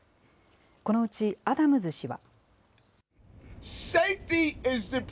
このうちアダムズ氏は。